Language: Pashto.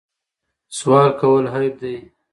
سوال کول عیب دی.